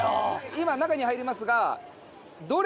今中に入りますが。